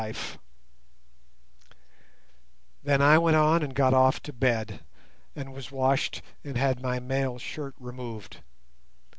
Then I went on and got off to bed, and was washed and had my mail shirt removed.